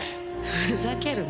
ふざけるな。